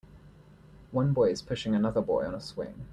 One boy is pushing another boy on a swing.